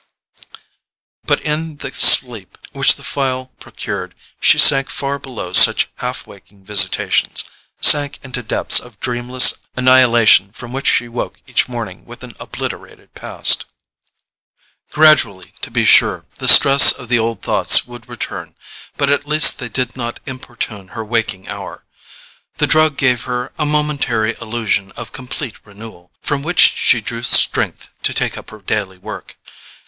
But in the sleep which the phial procured she sank far below such half waking visitations, sank into depths of dreamless annihilation from which she woke each morning with an obliterated past. Gradually, to be sure, the stress of the old thoughts would return; but at least they did not importune her waking hour. The drug gave her a momentary illusion of complete renewal, from which she drew strength to take up her daily work.